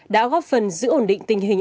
đã góp phần giữ ổn định tình hình